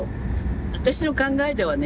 私の考えではね